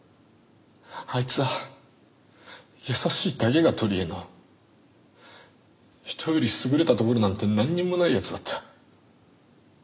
あいつは優しいだけが取りえの人より優れたところなんてなんにもない奴だった。